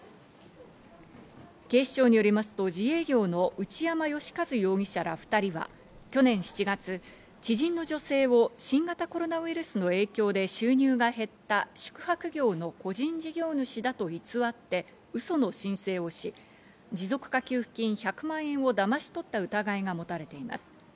警視庁によりますと、自営業の内山義一容疑者ら２人は去年７月、知人の女性を新型コロナウイルスの影響で収入が減った宿泊業の個人事業主だと偽って、ウソの申請をし、持続化給付金１００万円をだまし取った疑いが持たれています。